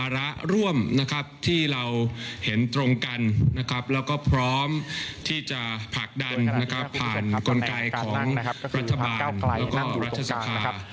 ส่วนที่บริเวณฝั่งขวานะครับคุณผู้ชมครับ